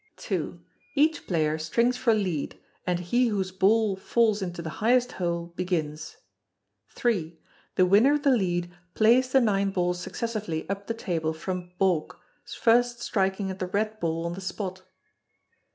ii. Each player strings for lead, and he whose ball falls into the highest hole begins. iii. The winner of the lead plays the nine balls successively up the table from baulk, first striking at the red ball on the spot.